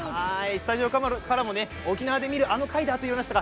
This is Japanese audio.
スタジオからも沖縄で見る、あの貝とありました